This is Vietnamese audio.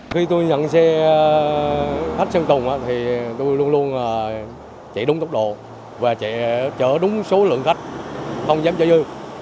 khách xe tùng thì tôi luôn luôn chạy đúng tốc độ và chạy chở đúng số lượng khách không dám chở dư